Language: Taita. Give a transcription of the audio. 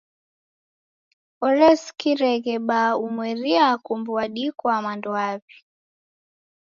Oresikireghe baa umeria kuw'andikwa mando aw'i.